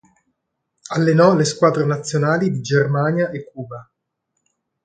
Allenò le squadre nazionali di Germania e Cuba.